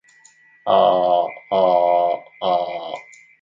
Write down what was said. あああああああああああ